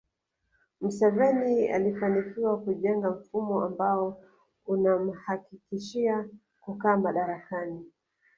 Museveni alifanikiwa kujenga mfumo ambao unamhakikishia kukaa madarakani